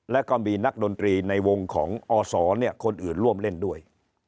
แล้วก็มีนักดนตรีในวงของอศคนอื่นร่วมเล่นด้วย